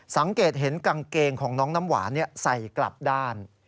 สังเกตเห็นกางเกงของน้องน้ำหวานใส่กลับด้าน